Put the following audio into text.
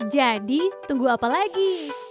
jadi tunggu apa lagi